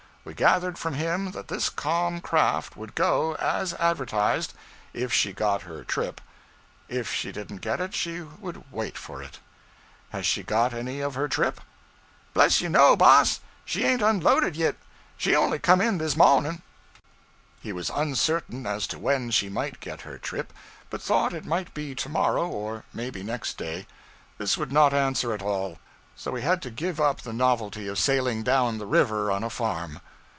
We gathered from him that this calm craft would go, as advertised, 'if she got her trip;' if she didn't get it, she would wait for it. 'Has she got any of her trip?' 'Bless you, no, boss. She ain't unloadened, yit. She only come in dis mawnin'.' He was uncertain as to when she might get her trip, but thought it might be to morrow or maybe next day. This would not answer at all; so we had to give up the novelty of sailing down the river on a farm.